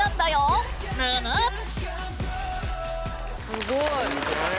すごい。